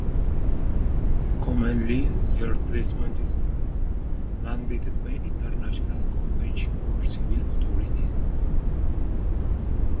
Commonly, their placement is mandated by international conventions or civil authorities.